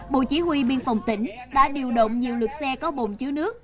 bộ chỉ huy biên phòng tỉnh đã điều động nhiều lực xe có bồn chứa nước